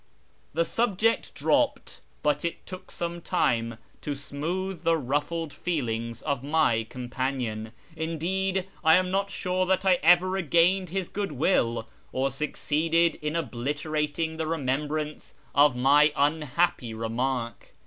The subject dropped, but it took some time to smooth the jruffled feelings of my companion. Indeed, I am not sure that I ever regained his goodwill, or succeeded in obliterating the ■emembrance of my unhappy remark.